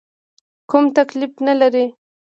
کوم تکلیف نه لرې؟